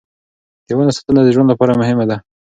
د ونو ساتنه د ژوند لپاره مهمه ده.